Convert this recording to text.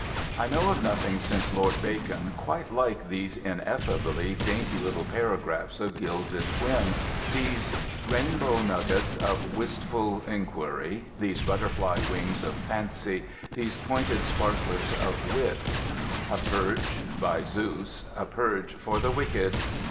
I know of nothing since Lord Bacon quite like these ineffably dainty little paragraphs of gilded whim, these rainbow nuggets of wistful inquiry, these butterfly wings of fancy, these pointed sparklers of wit. A purge, by Zeus, a purge for the wicked!